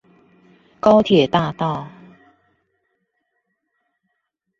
高鐵大道